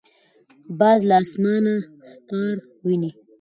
باز له اسمانه ښکار ویني.